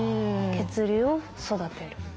血流を育てる。